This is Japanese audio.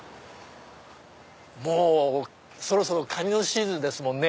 もうそろそろカニのシーズンですもんね。